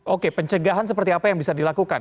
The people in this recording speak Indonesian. oke pencegahan seperti apa yang bisa dilakukan